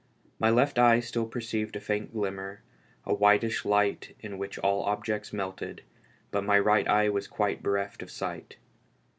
My left eye still perceived a faint glimmer, a whitish light in which all objects melted, but my right eye was quite bereft of sight.